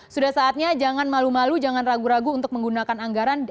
sudah saatnya jangan malu malu jangan ragu ragu untuk menggunakan anggaran